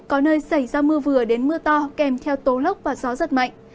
có nơi xảy ra mưa vừa đến mưa to kèm theo tố lốc và gió rất mạnh